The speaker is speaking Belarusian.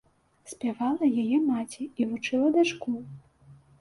Спявала яе маці і вучыла дачку.